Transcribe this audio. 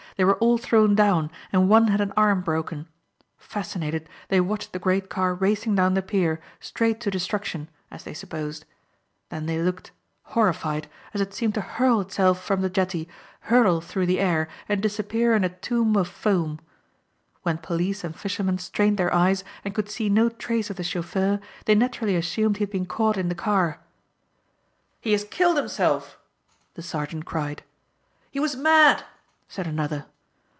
They were all thrown down and one had an arm broken. Fascinated they watched the great car racing down the pier straight to destruction as they supposed. Then they looked, horrified, as it seemed to hurl itself from the jetty, hurtle through the air and disappear in a tomb of foam. When police and fishermen strained their eyes and could see no trace of the chauffeur they naturally assumed he had been caught in the car. "He has killed himself!" the sergeant cried. "He was mad!" said another.